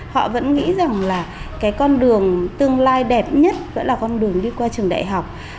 họ vẫn nghĩ rằng là cái con đường tương lai đẹp nhất vẫn là con đường đi qua trường đại học